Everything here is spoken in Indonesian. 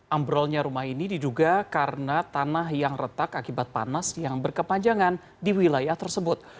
ambrolnya rumah ini diduga karena tanah yang retak akibat panas yang berkepanjangan di wilayah tersebut